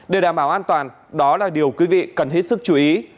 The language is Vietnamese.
để đảm bảo an toàn đó là điều quý vị cần hết sức chú ý